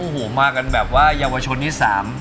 โอ้โหมากกันแบบว่ายัววชนที่๓